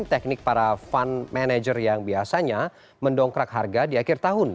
teknik para fund manager yang biasanya mendongkrak harga di akhir tahun